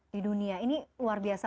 di dunia ini luar biasa